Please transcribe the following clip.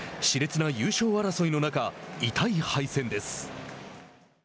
しれつな優勝争いの中痛い敗戦です。